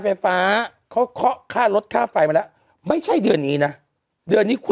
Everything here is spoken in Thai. ไฟฟ้าเขาเคาะค่าลดค่าไฟมาแล้วไม่ใช่เดือนนี้นะเดือนนี้คุณ